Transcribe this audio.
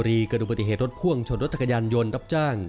ปิดท้ายที่จังหวัดชนบุรีเกิดดูปฏิเหตุรถพ่วงชนรถจักรยานยนต์รับจ้าง